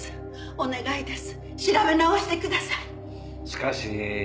お願いです！